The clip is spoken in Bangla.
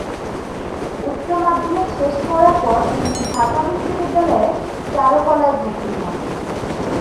উচ্চমাধ্যমিক শেষ করার পর তিনি ঢাকা বিশ্ববিদ্যালয়ে চারুকলায় ভর্তি হন।